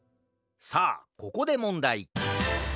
さあここでもんだい。